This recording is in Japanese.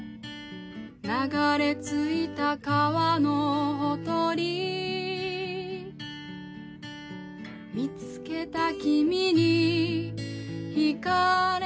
「流れ着いた川のほとり」「見つけた君にひかれたんだ」